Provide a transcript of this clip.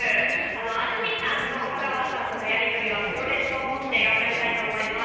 安住さんと香川さんとのやりとりはプロレスと思って頑張りたいと思います